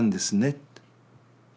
って。